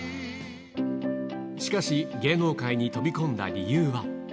しかし、芸能界に飛び込んだ理由は。